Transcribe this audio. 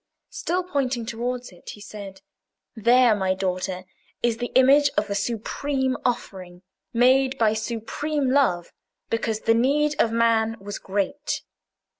Still pointing towards it, he said— "There, my daughter, is the image of a Supreme Offering, made by Supreme Love, because the need of man was great."